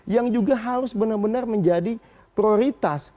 yang juga harus benar benar menjadi prioritas